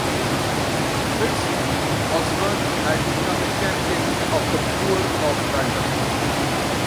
Fitz Osbert had become a champion of the poor of London.